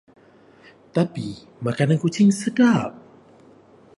Tapi, makanan kucing sedap.